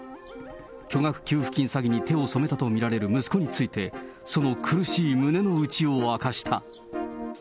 巨額給付金詐欺に手を染めたと見られる息子について、その苦しい胸の内を明かした。